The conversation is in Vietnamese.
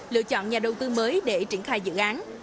lựa chọn nhà đầu tư mới để triển khai dự án